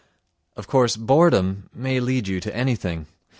Of course boredom may lead you to anything.